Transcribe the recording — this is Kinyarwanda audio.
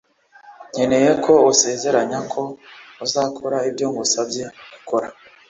Nkeneye ko usezeranya ko uzakora ibyo ngusabye gukora